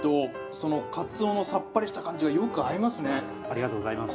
ありがとうございます。